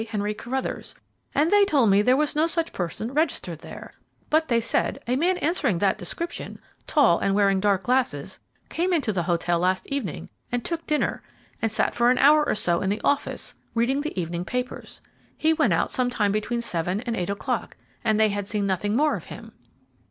Henry Carruthers, and they told me there was no such person registered there; but they said a man answering that description, tall and wearing dark glasses, came into the hotel last evening and took dinner and sat for an hour or so in the office reading the evening papers. He went out some time between seven and eight o'clock, and they had seen nothing more of him."